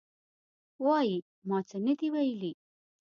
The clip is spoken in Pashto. وایي: ما څه نه دي ویلي.